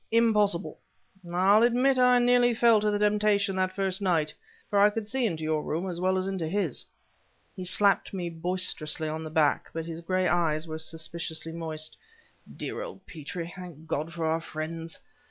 "Impossible! I'll admit I nearly fell to the temptation that first night; for I could see into your room as well as into his!" He slapped me boisterously on the back, but his gray eyes were suspiciously moist. "Dear old Petrie! Thank God for our friends!